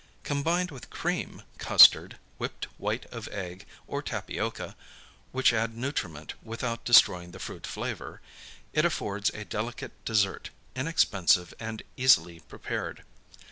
Combined with cream, custard, whipped white of egg, or tapioca, which add nutriment without destroying the fruit flavor, it affords a delicate dessert, inexpensive and easily prepared.